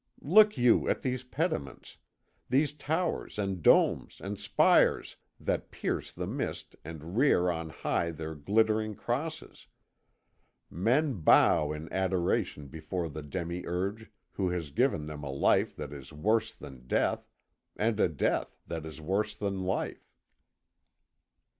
Look you at these pediments, these towers and domes and spires that pierce the mist and rear on high their glittering crosses. Men bow in adoration before the demiurge who has given them a life that is worse than death, and a death that is worse than life."